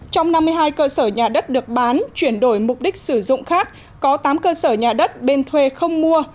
trong năm mươi hai cơ sở nhà đất được bán chuyển đổi mục đích sử dụng khác có tám cơ sở nhà đất bên thuê không mua